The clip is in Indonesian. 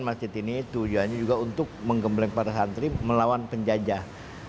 masjid ini tujuannya juga untuk menggembleng para santri melawan penjajah